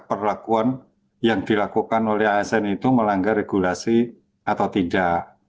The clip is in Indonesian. perlakuan yang dilakukan oleh asn itu melanggar regulasi atau tidak